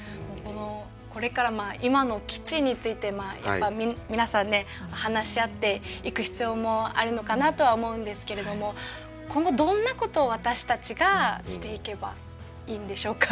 これから今の基地についてやっぱ皆さんね話し合っていく必要もあるのかなとは思うんですけれども今後どんなことを私たちがしていけばいいんでしょうか？